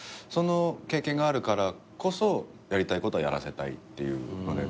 その経験があるからこそやりたいことはやらせたいっていう。